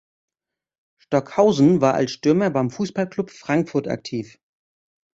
Stockhausen war als Stürmer beim Fußballclub Frankfurt aktiv.